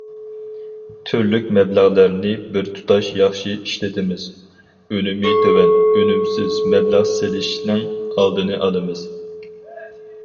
تۈرلۈك مەبلەغلەرنى بىرتۇتاش ياخشى ئىشلىتىمىز، ئۈنۈمى تۆۋەن، ئۈنۈمسىز مەبلەغ سېلىشنىڭ ئالدىنى ئالىمىز.